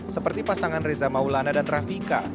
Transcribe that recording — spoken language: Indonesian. seperti pasangan reza maulana dan rafika